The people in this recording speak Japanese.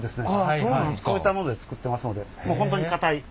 そういったもので作ってますのでもう本当に硬い。